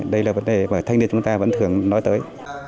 đây là vấn đề mà thanh niên chúng ta vẫn thường nói tới